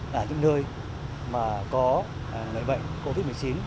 là những nơi mà có người bệnh covid một mươi chín